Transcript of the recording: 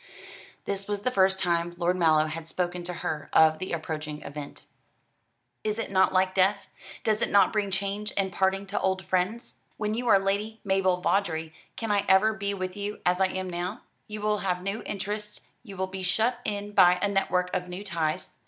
This was the first time Lord Mallow had spoken to her of the approaching event. "Is it not like death? Does it not bring change and parting to old friends? When you are Lady Mabel Vawdrey, can I ever be with you as I am now? You will have new interests, you will be shut in by a network of new ties.